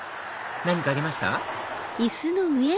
何かありました？